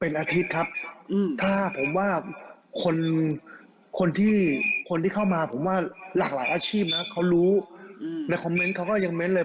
เป็นอาทิตย์ครับอืมถ้าผมว่าคนคนคนที่คนที่เข้ามาผมว่ารหลายอาชีพนะเค้ารู้อืมแล้วคอมเม้นต์เค้าก็ยังเมทเลย